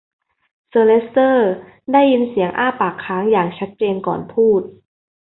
เซอร์เลสเตอร์ได้ยินเสียงอ้าปากค้างอย่างชัดเจนก่อนพูด